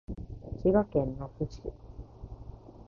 滋賀県野洲市